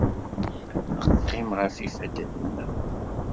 Neqqim ɣef yifadden-nneɣ.